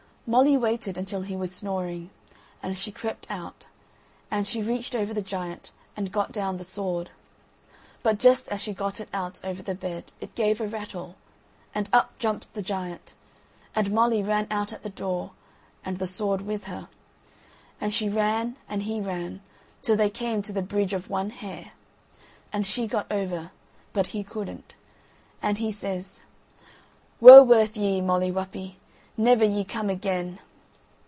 Molly waited until he was snoring, and she crept out, and reached over the giant and got down the sword; but just as she got it out over the bed it gave a rattle, and up jumped the giant, and Molly ran out at the door and the sword with her; and she ran, and he ran, till they came to the "Bridge of one hair"; and she got over, but he couldn't, and he says, "Woe worth ye, Molly Whuppie! never ye come again."